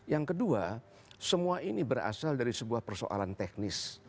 yang kedua semua ini berasal dari sebuah persoalan teknis